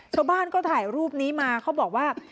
ชาวบ้านก็ถ่ายรูปนี้มาเขาบอกว่า